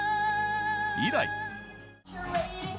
以来。